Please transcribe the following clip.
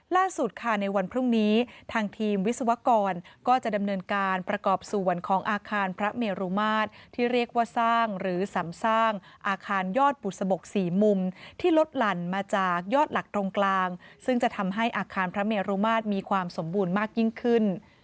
ล่าสุดค่ะในวันพรุ่งนี้ทางทีมวิศวกรก็จะดำเนินการประกอบส่วนของอาคารพระเมรุมาตรที่เรียกว่าสร้างหรือสำสร้างอาคารยอดบุษบกสี่มุมที่ลดหลั่นมาจากยอดหลักตรงกลางซึ่งจะทำให้อาคารพระเมรุมาตรมีความสมบูรณ์มากยิ่งขึ้น